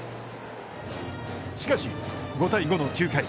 しかし、５対５の９回。